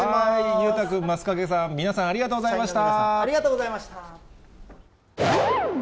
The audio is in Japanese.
裕太君、升掛さん、皆さん、ありがとうございました。